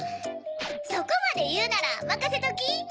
そこまでいうならまかせとき。